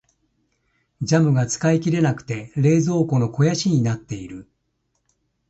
ジャムが使い切れなくて冷蔵庫の肥やしになっている。